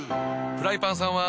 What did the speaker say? フライパンさんは。